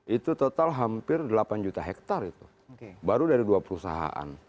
itu total hampir delapan juta hektare itu baru dari dua perusahaan